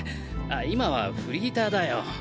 今はフリーターだよ。